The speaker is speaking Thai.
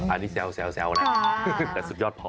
อันนี้แซวนะแต่สุดยอดพอ